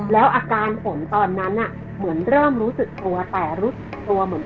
แล้วอาการฝนตอนนั้นเหมือนเริ่มรู้สึกตัวแต่รู้สึกตัวเหมือน